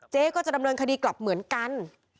ก็จะดำเนินคดีกลับเหมือนกัน